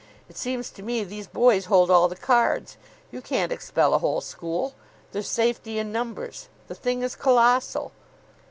It seems to me these boys hold all the cards. You can't expel a whole school. There's safety in numbers. The thing is colossal."